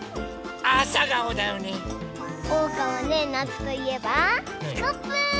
おうかはねなつといえばスコップ！